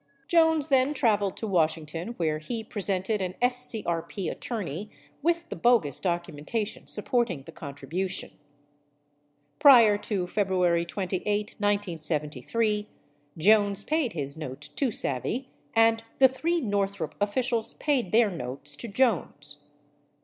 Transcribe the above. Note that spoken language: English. Jones then traveled to Washington where he presented an FCRP attorney with the bogus documentation supporting the contribution. Prior to February 28, 1973, Jones paid his note to Savy, and the three Northrop officials paid their notes to Jones.